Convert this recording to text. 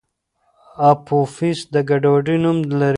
اپوفیس د ګډوډۍ نوم لري.